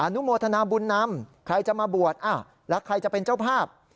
นุโมทนาบุญนำใครจะมาบวชแล้วใครจะเป็นเจ้าภาพ